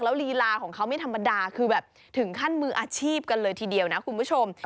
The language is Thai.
ลีลาของเขาไม่ธรรมดาคือแบบถึงขั้นมืออาชีพกันเลยทีเดียวนะคุณผู้ชม